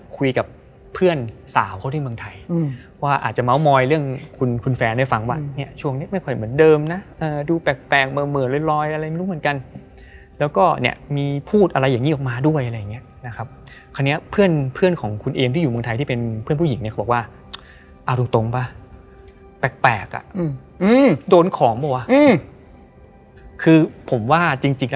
คุณแฟนได้ฟังว่าเนี้ยช่วงนี้ไม่ค่อยเหมือนเดิมน่ะเอ่อดูแปลกแปลงเหมือนเหมือนอะไรอะไรไม่รู้เหมือนกันแล้วก็เนี้ยมีพูดอะไรอย่างงี้ออกมาด้วยอะไรอย่างเงี้ยนะครับคราวเนี้ยเพื่อนเพื่อนของคุณเอ็มที่อยู่เมืองไทยที่เป็นเพื่อนผู้หญิงเนี้ยเขาบอกว่าเอาตรงตรงป่ะแปลกแปลกอ่ะอืมโดนของเปล่าอืมคือผมว่าจริงจริง